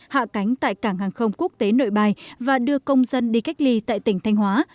hạ cánh tại cảng hàng không quốc tế nội bài và đưa công dân đi cách ly tại tỉnh thanh hóa